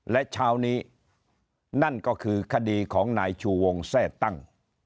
และเช้านี้นั่นก็คือคดีของนายชูวงแทร่ตั้ง